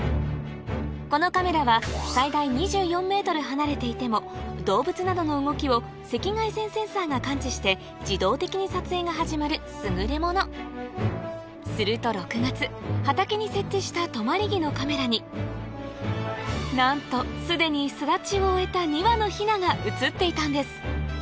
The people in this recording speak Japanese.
このカメラは最大２４ｍ離れていても動物などの動きを赤外線センサーが感知して自動的に撮影が始まる優れものすると６月畑に設置した止まり木のカメラになんと既に巣立ちを終えた２羽のヒナが映っていたんです